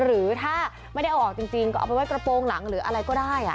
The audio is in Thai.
หรือถ้าไม่ได้เอาออกจริงก็เอาไปไว้กระโปรงหลังหรืออะไรก็ได้